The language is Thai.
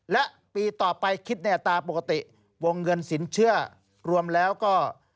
และปีต่อไปคิดในอัตราปกติวงเงินสินเชื่อรวมแล้วก็